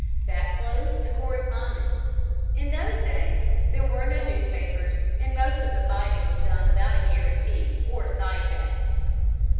That closed the correspondence. In those days there were no newspapers, and most of the fighting was done without a guarantee or side bets.